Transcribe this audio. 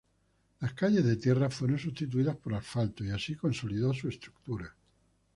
Las calles de tierra fueron sustituidas por asfalto y, así, consolidó su estructura.